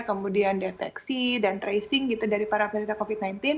kemudian deteksi dan tracing gitu dari para penderita covid sembilan belas